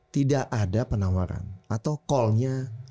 tidak ada penawaran atau call nya